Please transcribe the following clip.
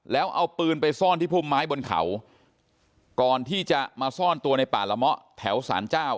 แล้วเอาปืนไปซ่อนที่พุ่มไม้บนเขาก่อนที่จะมาซ่อนตัวในป่าละเมาะแถวสารเจ้า